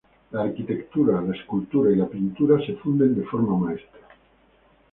La arquitectura, la escultura y la pintura se funden de forma maestra.